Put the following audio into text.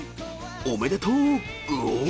おめでとうー！